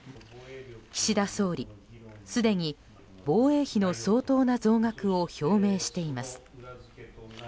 岸田総理すでに、防衛費の相当な増額を表明しています。